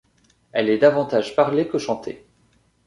Elle est davantage parlée que chantée.